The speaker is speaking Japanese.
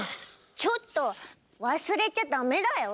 ちょっと忘れちゃダメだよ。